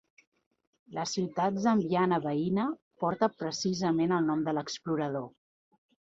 La ciutat zambiana veïna porta precisament el nom de l'explorador.